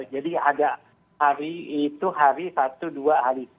jadi ada hari itu hari sabtu dua hari